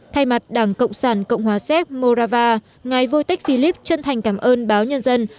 thay mặt đảng cộng sản cộng hòa séc morava ngài vôi tecphilip chân thành cảm ơn báo nhân dân